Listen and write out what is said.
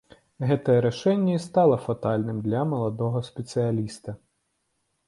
Гэтае рашэнне і стала фатальным для маладога спецыяліста.